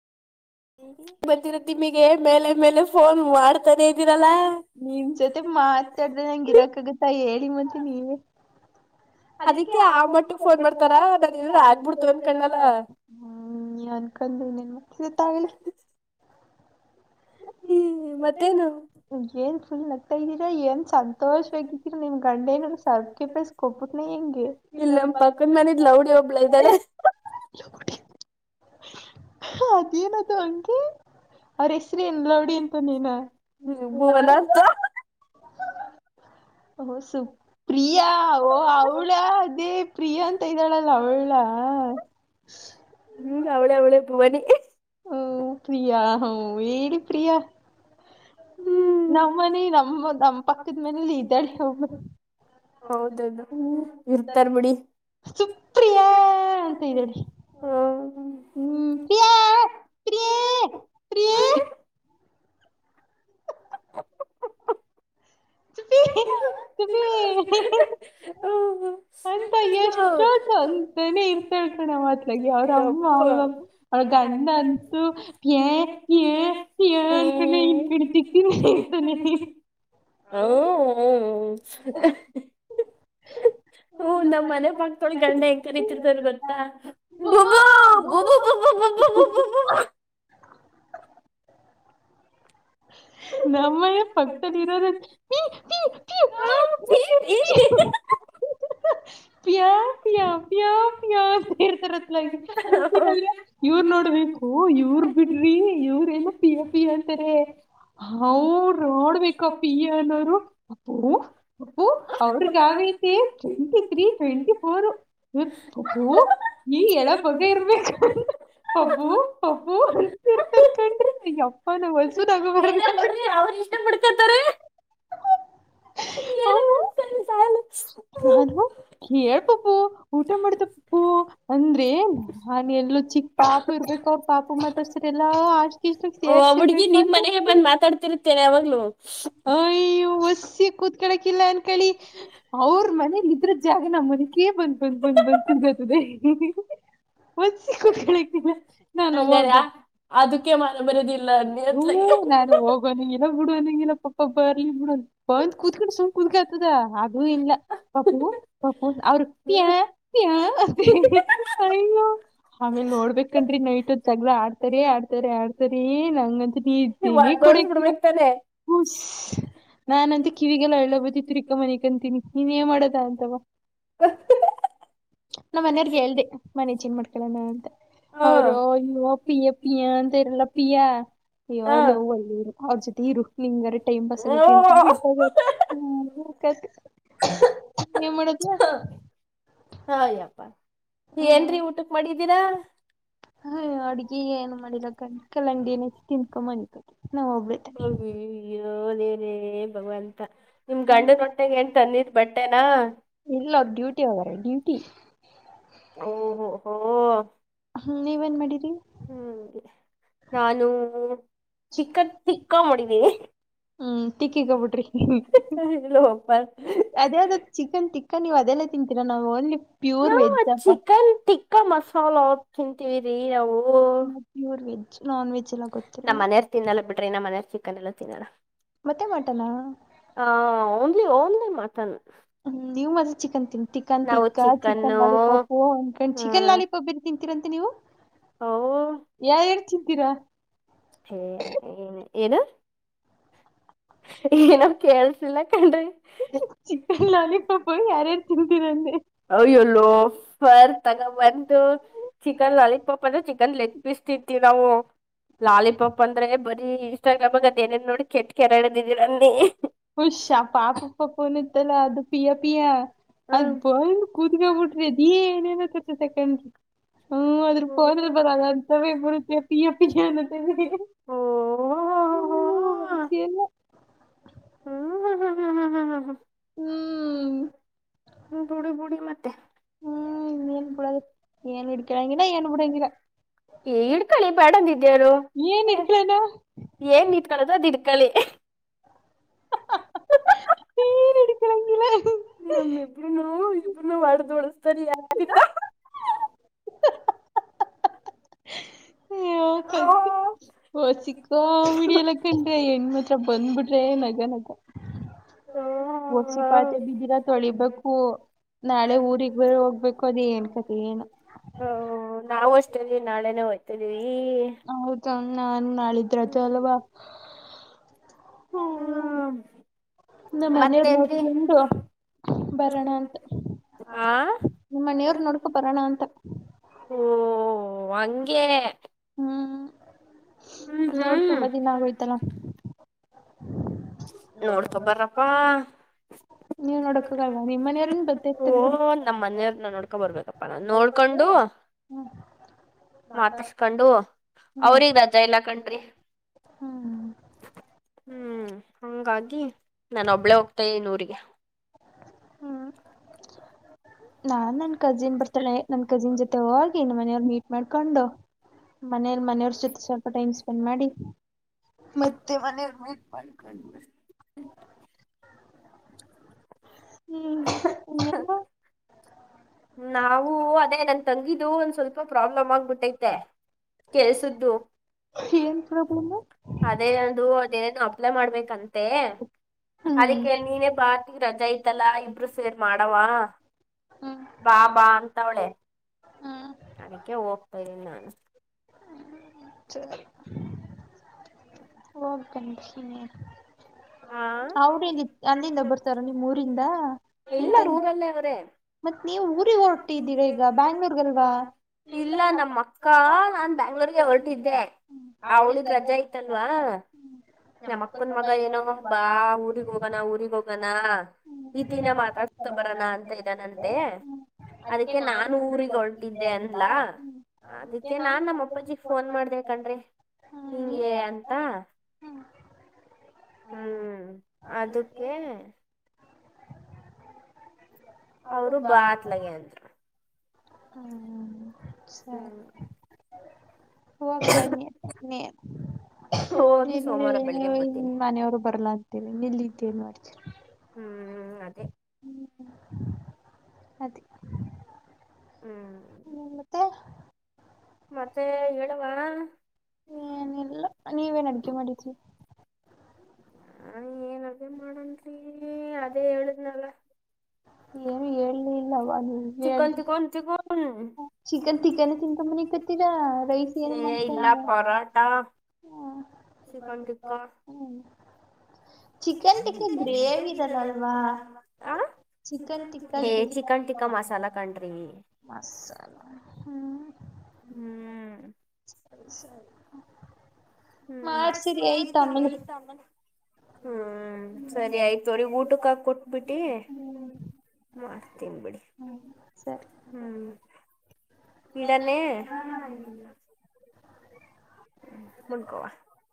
ಮತ್ತರ ತಿಮಿಗೆ ಮೇಲೆ ಮೇಲೆ ಫೋನ್ ಮಾಡ್ತಾನೆ ಇದ್ದೀರಲ್ಲ ಮಾತಾಡ್ರೆ ನಂಗಗೆ ಇರಕ ಆಗತ್ತಾ ಹೇಳಿ ಮತ್ತೆ ನೀವೇ ಅದಕ್ಕೆ ಆ ಮತ್ತಂದ ಮಾಡಡ್ತಾರ ಆ [inaudible] ಹ ಮತ್ತೇನು [inaudible] ಏನ್ ಸಂತೋಷವಗಿದೀರ ನಿನ್ ಗಂಡ ಏನಾದ್ರಿವೆ ಸರ್ಪ್ರೈಸ್ ಬಸ್ಕ ಕೊಬತ್ನೆ ಹೆಂಗೆ ಕುಂದ ಮನಿದ್ [unintelligible] ಒಬ್ಳಾ ಇದ್ದಾರೆೆ [inaudible] ಹ ಅದೇನದು ಅಂಕಿ ಅವ್ರಷ್ಟ ಹ್ಮ್ ಬೋಲ ಸುಪ್ ಪ್ರಿಯಾ ಓ ಅವ್ಳ ಅದೇ ಪ್ರಿಯಾ ಅಂತ ಇದ್ದಾಳಲ್ಲ ಅವಳ [unintelligible] ಹ್ಮ್ ಅವಳೇ ಅವಳೇ ಪವನಿ ಹ್ಮ ಹೇಳಏಿ ಪ್ರಿಯಾ ಹ್ಮ್ ಹೌದದು ಇರ್ತಾರ್ ಬಿಡಿ ಸುಪ್ರಿಯಾ ಅಂತ ಇದಿ ಹ್ಮ ಪ್ರಿಯ ಪ್ರಿಯ ಪ್ರಿಯ [inaudible] ಅಂತ ಎಷ್ಟ ಅಂತಾನೇ ಇರ್ತಾಳ್ ಕಣ ಮಾತ್ಲಾಗಿ ಅವ್ರ ಅಮ್ಮ ಅವ [inaudible] ಇನ್ ಕಡ ಚಕ್ಕ ಇರ್ತಾನೆ [unintelligible] ನಮ್ಮ್ ಮನೆ ಪಾಕ್ ತೊಳ ಗಂಡ ಹೆ ಕರಿತಿರ್ತಾರ ಬತ್ತಾ ಬಬ ಬ ಬ ಹ್ಮ [unintelligible] [unintelligible] ನಮ್ಮ ಪಕ್ತದಲ್ಲಿ ಇರೋದ ಪ ಪಿಯ ಪ ಸೇರ್ತಾರಾಗಿ ಇವರು ನೋಡ್ಬೇಕು ಇವ್ರ ಬಿಡ್ರಿ ಇವ ಅ್ರ ಏನೋ ಪಿ ಯ ಪಿಯ ಅಂತಾರೆ ಹ ರೋಡ್ಬೇಕಪ್ಪ ಅನೋರು ಅಪ್ಪು ಅಪ್ಪು ಅವ್ರ ಯಾವಐತಿ ಚಂತತ್ಿ ಟ್ವೆಂಟಿ ಫೋರ್ ಹ ಈ ಎಳ ಬಗ ಇರ್ಬೇಕು ಒಬ್ಬು ಒಬ್ಬು ಇ ಇರ್ತಿರ್ಕನ್್ರಿ ಅಪ್ಪನಲ್ಸ ತ ಅ ಕೇಳ್ ಪಪ್ಪು ಊಟ ಮಾಡತ ಪಪ್ಪು ಅಂದ್ರೆ ನಾನ ಎಲ್ಲೋ ಚಿಕ್ಕ ಪಾಪು ಇರ್ಬೇಕ ಅವ್ರ ಪಾಪು ಮತ್ಸರೆ ಎಲ್ಲಾ ಅಷ್ಟ ಇಷ್ಟಕ್ ಸೇರ್ ಯ ವಸಿ ಕುೂತ್ ಿಲ್ಲ ಅನ್ಕಿ ಅವ್ರ ಮನೇಲಿ ಇದ್ರ ಜಾಗ ನಮ್ಮ್ ಮನಕೇ ಬಂದ್ ಬಂದ್ ಬಂದ್ ಬಂದಗತದೆ ಹ ಹ ಒದ್ ನಾನು ಹೋಗ ಅದಕ್ಕೆ ಮಾಡಬರದಿಲ್ಲ ಹ ನಾನನ್ ಹೋಗುವಂಗಗೆನ ಬಿಡುುವಂಗಗೆ ಪಪ್ಪ ಬರ್ಲಿ ಬಿಡ ಬಂದ್ ಕೂತ್ಕೊಂಡ್ ಸುಮ್ ಕೂತ್ಕ ದ ಅದುೂ ಇಲ್ಲ ಪಪ್ಪು ಪಪ್ಪು ಅವರು ಪಿಯ ಪ ಕೈ ಆಮೇಲ್ ನೋಡ್ಬೇಕನ್್ರೀ ನೈಟ್ ಒ ಚಗದ ಆಡ್ತರಿ ಆಡ್ತರಿ ಆಡ್ತರಿ ನಂಗಂತ ಹ ಕೊಡಕಿತ ನಾಾನಂತ ಕಿವಿಗೆಲ್ಲ ಹೇಳ ಬತ್ತಿತ್ರಿ ಮನ ಕಂತೀನಿ ನೀನ್ೇನ್ ಮಾಡದ ಅಂತವಾ ನಮ್ಮ್ ಮನೆಯವರ್ಗೆ ಹೇಳ್ದ ಮನೆ ಚಿನ್ ಮಡ್ಕಳೋಣ ಅಂತ ಹೌೋ ಇೋ ಪಿಯ ಪಿಯಂತರೆಲ್ಲ ಪಿಯ ಯದ ಒಳ್ಳೆ ಅವ್ರ ಜೊತೆ ಇರು ನಿಂಗ್ರ ಟೈಮ್ ಪಾಸ್ ಆಗೆ [unintelligible] ಹ್ಯಪ್ಪಾ ಏನ್ರೀ ಊಟಕ್ ಮಾಡಿದ್ದೀರಾ ಹ ಅಡ್ಗೆ ಏನು ಮಾಡಿಲ್ಲ ಕಂಡ ಕಲಂಡೀಿನಿ ತಿನ್ಕೊನಿಕತಿ ನಾವ ಒಬ್ಬಳೇತೇನೆ ಏ ಭಗ ಅಂತ ನಿಮ್ ಗಂಡ ನೋ ಂಗ ಎನ್ ತಂದಿದ್ ಬಟ್ಟೆನಾ ಹ್ಮ್ ನೀವೇನ್ ಮಾಡೀರಿ ನಾನು ಚಕ್ಕ ಚಿಕ್ಕ ಮಾಡಡಿದ್ದೀಿ ಹ್ಮ್ಟಕ್ಕಿಗಬಿಟ್ರಿ ಅದೇದ ಚಿಕನ್ ಟಿಕನ್ ನೀ್ ಅದೆಲ್ಲ ತಿಂತೀರಾ ನಾವು only pure veg chicken tikka masala ಹ ತಿಂತೀಿವರಿೀ ಅಾವು ನನ್ ವೆಜ್ ಎಲ್ಲ ಕೊತ ಮತ್ತೆ ಮಾಡಟನಾ ಹ ಓನ್ಲಿ ಓನ್ಲಿ ಮತನ್ ಚಿಕನ್ ತಿನ್ಿ ಚಿಕನ್ ತಿನ್ ಚಿಕನ್ ಲಾಲಿಪಾಪ್ ಅಂದಕೊಂಡ್ ಚಿಕನ್ ಲಾಲಿಪಾಪ್ ಬೀ ತಿ ರಂತೆ ನೀವು ಯರ್ ತಿಂತೀರಾ ಹಏ ಏನು ಈಗನಾವ್ ಕೇಳ್ಸಿಲ್ಲ ಕಂಡ್ರಿ ಅಯ್ಯೋಲ್ಲೋ ಹೊರ್ ತಗ ಮಂದು ಚಿಕನ್ ಲಾಲಿಪಾಪ್ ಅಂದ್ರೆ ಚಿಕನ್ ಲೆಗ್ ಪೀಸ್ ತಿತಿೀವಿ ನಾವು ಲಾಲಿಪಾಪ್ ಅಂದ್ರೆ ಬರೀ ಇನ್ಸ್ಟಾಗ್ರಾಮ್ಾಗ ಅದ ೇನೇನ್ ನೋಡಿ ಕೆಟ್ ಕೆರೆಡ್ದಿದೀರನ್ನಿ ಹುಷಾ ಪಾಪ ಪಾಪನ ಇತ್ತಲ್ಲ ಅದು ಪಿಯ ಪಿಯ ಅದ್ ಬಂದ ಕೂುದ್ಗ ಬಿಡ್ರಿ ಅದ ಏನೇನ ಸಕಂಡ್ರಿ ಹ ಅದ್ರ ಫೋನಲ್ ಬರಾದಂತವೆ ಬರುತ ಪಿಯ ಪಿಯನ್ನು ಹ ಹ ಸಿನು ಹ್ಮ ಹ್ಮ ಹ್ ಹ್ಮ್ ಹ ಹ್ಮ ುಡಿ ಬುಡಿ ಮತ್ತೆ ಹ್ಮ್ ಏನು ಬಿಡ ಏನು ಬಿಡಂಗ ಏನು ಬಿಡಂಗ ಏನ್ ಇಲಾನ ನೀ ನಮಿಬ್ರು ನೋ ಇಬ್ರು ನಾವ್ ಅಡ್ದ ಡಸ್ತಾರ ಯಾರ ಹ ಕ ಹೊ ಚಕ್ಕ ಬಿಡಿ ಎಲ್ಲ ಕಂಡ್ರಿ ಹೆಣ್ಮತ್ರ ಬಂದ್ಬಿಟ್ರೆ ನಗ ನಗ ಹಸಿಪಾತೆ ಬಿದ್ದಿರ ತೊಳಿಬೇಕು ಹಓ ನಾಳೆ ಊಗ್ ಬೇರೆ ಹೋಗ್ಬೇಕು ಅದ ಏನ್ ಕತೆ ಏನು ನಾವವು ಅಷ್ಟೇಲ್ಲಿ ನಾಳೆನೆ ಹೋಗಯ್ತಿದ್ದೀವಿ ನಾಾನನ್ ನಾಳಿದ್ರದು ಅಲ್ವಾ ಹ್ಮ ನ ಮನೆಯವ್ ನೋಡ್ಕೊಂಡು ಬರೋಣ ಅಂತ ನಿಮ್ಮನೆಯವ್ರ ನೋಡ್ಕೊ ಬರೋಣ ಅಂತ ಹ್ಮ್ ನೋಡ್ ತುಂಬಾ ದಿನ ಆಗೋಯ್ತಲ್ಲ ನೋಡ್ಕೊ ಬರಪ್ಪಾ ಓ ನಮ್ಮ ಮನೆಯವ್ರನ್ನ ನೋಡ್ಕೊ ಬರ್ಬೇಕಪ್ಪ ನಾನ್ ನೋಡ್ಕೊಂಡು ಹ್ಮ್ ಮಾತಸ್ಕೊಂಡು ಅವ್ರಗ್ ರಜ ಎಲ್ಲಾ ಕಣ್ರಿ ಹ್ಮ್ ಹಂಗಾಗಿ ನಾನ ಒಬ್ಳೆ ಹೋಗ್ತೇ ನೂರಿಗೆ ನಾನ್ ನನ್ ಕಜಿನ್ ಬರ್ತನೆೆ ನನ್ ಕಜಿನ್ ಜೊತೆ ಹಗ ಇನ್ನು ಮನೆಯವರು ಮೀಟ್ ಮಾಡ್ಕೊಂಡು ಮನೇೆಯಲ್ಲಿ ಮನೆಯವ್ರ ಜೊತೆ ಸ್ವಲ್ಪ ಟೈಮ್ ಸ್ಪೆಂಡ್ ಮಾಡಿ ಮತ್ತೆ ಮನ ಹ್ಮ್ ಹ ನಾವು ಅದೇ ನನ್ ತಂಗಿದು ಒಂದ್ ಸ್ವಲ್ಪ ಪ್ರಾಬ್ಲಮ್ ಆಗ್ಬಿಟ್ಟೈತೆ ಕೆ ಸ್ದು ಅದೇ ಒಂದುದ ಏನೇನು ಅಪ್ಲೈ ಮಾಡ್ಬೇಕಂತೆ ಅದಕ್ಕೆ ನೀನೇ ಬಾರ್ತಿಗ್ ರಜಾ ಐತಲ್ಲಾ ಇಬ್ರು ಸೇರ್ ಮಾಡವ ಬಾ ಬಾ ಅಂತ ಅವಳೆ ಅದಕ್ಕೆ ಹೋಗ್ತಾ್ದೀನಿ ನಾನು ಬಂತ ಅವಲ್ಲಿ ಅಲ್ಲಿಂದ ತಾರ ನಿ ಊರಿಂದ ಮತ್ತ್ ನೀವ್ ಊರಿಗೆ ಹೊರಟ್ಟ ಇದಿದ್ದೀರಾ ಈಗ ಬ್ಯಾಂಗ್ಳೂರ್ಗಲ್ವಾ ಹಂಗರ್ಗೆ ಹೊರಟಿದ್ದೆ ಆ ಹಳಿಗ್ ರಜಾ ಇಐತಲ್ವಾ ನಮ್ಮ ಅಕ್ಕನ್ ಮಗ ಏನೋ ಬಾ ಊರಿಗ ಹೋಗೋಣ ಊರಿಗ ಹೋಗಣ ಈತಿನ ಮಾತಾಡ್ಕೊ ಬರೋಣ ಅಂತ ಇದಾನಂತೆ ಅದಕ್ಕೆ ನಾನು ಊರಿಗೆ ಹೊರಟಿದ್ದೆ ಅನ್ಲ ಅದಕ್ಕೆ ನಾನ್ ನಮ್ಮ ಅಪ್ಪಾಜಿ ಫೋನ್ ಮಾಡ್ದ ಕಣ್ರಿ ಹಿಗೆ ಅಂತ ಹ ಹ್ಮ್ ಅದಕ್ಕೆ ಅವರು ಬಾತ್ಲಗೆ ಅಂದ್ರು ಹ್ಮ ಸರಿ ಹ ನೀ ಹ ಮನೆಯವರು ಬರ್ಲಾ ಅಂತೇ ನಿಲ್ಲೇನ್ ಮಾಡ ಹ್ಮ್ ಅದೇ ಅದ ಮತ್ತೆ ಹೇಳುವ ಏನಲ್ಲ ನೀವೇನ್ ಅಡ್ಗೆ ಮಾಡಿದ್ವಿ ಹ್ಮ ನ್ರಿ ಅದೇ ಹೇಳುದ್ನಲ್ಲ ಏನು ಹೇಳ್ಲ ಇಿಲ್ಲವಾ ನೀೇ ಅ ಚಿಕನ್ ತಿಕನ್ ತಿನ್ಕೊ ಮನ ಕತ್ತೀರಾ ರೈಸ ಹ್ಮ್ ಹ್ಮ್ ಚಿಕನ್ ಟಕ್ಕನ್ ಗ್ರೇವಿ ಇದರಲ್ಲ ಅಲ್ವಾ ಚಿಕನ್ ಟಕ್ಕ ಮಾಲ ಹ್ಮ್ ಹ್ಮ್ ಸರಿ ಸರಿ ಹ್ಮ ಮಾಡ ಹ್ಮ್ ಸರಿ ಆಯ್ತ ಹೊಡಿ ಊಟಕ್ಕ ಹಾಕ ಕೊಟ್ಬಿಟ್ಟಿ ಮಾಡ್ತೀನ್ ಬಿಿಡಿ ಹ್ಮ್ ಇಡನೆ ಹ್ಮ ಮುನ್ಕೋುವ